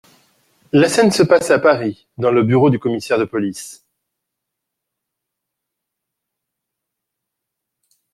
La scène se passe à Paris, dans le bureau du Commissaire de police.